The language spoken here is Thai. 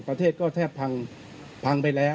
ประเทศก็แทบพังพังไปแล้ว